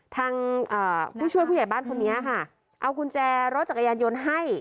ทางผู้ช่วยผู้ใหญ่บ้านคนนี้ค่ะเอากุญแจรถจักรยานยนต์ให้